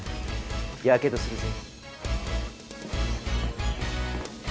やけどするぜ。